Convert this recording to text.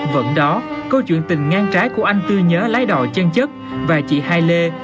vẫn đó câu chuyện tình ngang trái của anh tư nhớ lái đò chân chất và chị hai lê